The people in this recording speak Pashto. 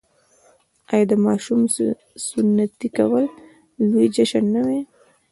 آیا د ماشوم سنتي کول لوی جشن نه وي؟